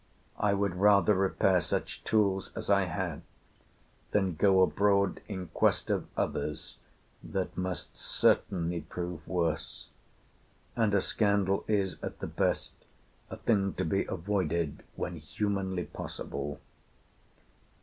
I would rather repair such tools as I had than go abroad in quest of others that must certainly prove worse; and a scandal is, at the best, a thing to be avoided when humanly possible.